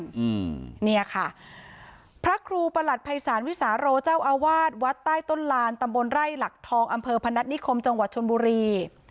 อืมเนี่ยค่ะพระครูประหลัดภัยศาลวิสาโรเจ้าอาวาสวัดใต้ต้นลานตำบลไร่หลักทองอำเภอพนัฐนิคมจังหวัดชนบุรี